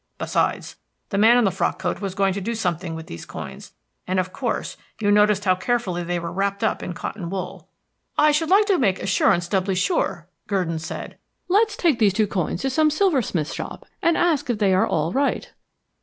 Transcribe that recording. Besides, the man in the frock coat was going to do something with these coins; and, of course, you noticed how carefully they were wrapped up in cotton wool." "I should like to make assurance doubly sure," Gurdon said. "Let's take these two coins to some silversmith's shop and ask if they are all right."